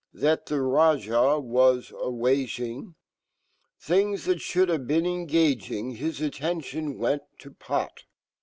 That fhe Raj ah was a waging, Things that fhould have been engaging Hif attention went to pot.